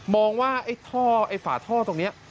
มองว่าไอ้ฝาท่อตรงนี้